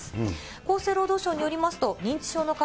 厚生労働省によりますと、認知症の方